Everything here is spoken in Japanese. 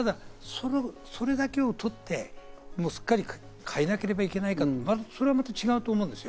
それだけを取って、すっかり変えなければいけないかというと、それもまた違うと思うんです。